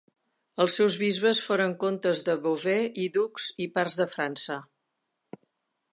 Els seus bisbes foren comtes de Beauvais, i ducs i pars de França.